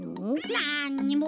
なんにも。